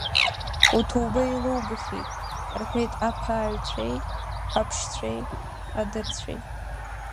Уҭоуба еилоугахьеит, — рҳәеит аԥааҩцәеи, аԥшцәеи, адырцәеи.